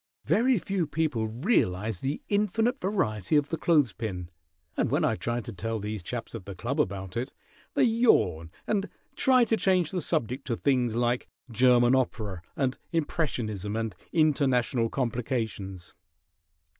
Very few people realize the infinite variety of the clothes pin, and when I try to tell these chaps at the club about it they yawn and try to change the subject to things like German opera and impressionism and international complications."